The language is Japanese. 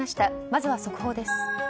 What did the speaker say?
まずは速報です。